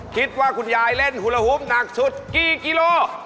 คิดว่าคุณยายเล่นฮุระหุบหนักสุดกี่กิโล